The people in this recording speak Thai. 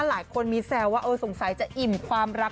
หลายคนมีแซวว่าสงสัยจะอิ่มความรัก